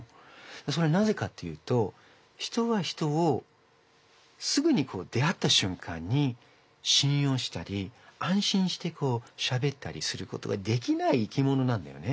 それはなぜかっていうと人は人をすぐに出会ったしゅんかんにしん用したりあん心してしゃべったりすることはできない生きものなんだよね。